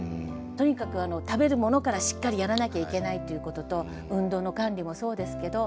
とにかく食べるものからしっかりやらなきゃいけないっていうことと運動の管理もそうですけど。